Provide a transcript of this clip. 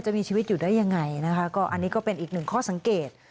จะมีชีวิตอยู่ได้ยังไงนะคะก็อันนี้ก็เป็นอีกหนึ่งข้อสังเกต